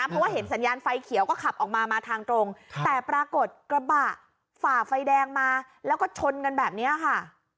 เพราะว่าเห็นสัญญาณไฟเขียวก็ขับออกมามาทางตรงแต่ปรากฏกระบะฝ่าไฟแดงมาแล้วก็ชนกันแบบนี้ค่ะ